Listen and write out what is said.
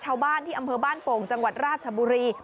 ชาวบ้านที่อำเภอบ้านโป่งจังหวัดราชบุรี